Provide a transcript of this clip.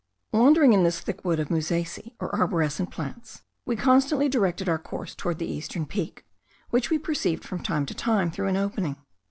Wandering in this thick wood of musaceae or arborescent plants, we constantly directed our course towards the eastern peak, which we perceived from time to time through an opening.